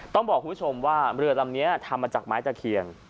ต้องบอกคุณผู้ชมว่าเรือลำนี้ทำมาจากไม้ตะเคียน